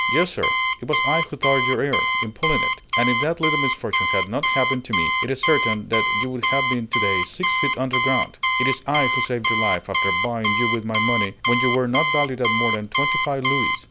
"Yes, sir: it was I who tore your ear, in pulling it; and if that little misfortune had not happened to me, it is certain that you would have been to day six feet under ground. It is I who saved your life, after buying you with my money when you were not valued at more than twenty five louis.